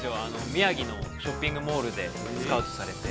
宮城のショッピングモール、昔のスカウトされて。